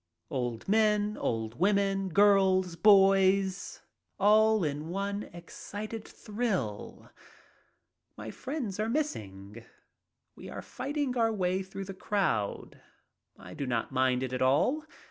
Old men, old women, girls, boys. 48 MY TRIP ABROAD all in one excited thrill. My friends are missing. We are fighting our way through the crowd. I do not mind it at all.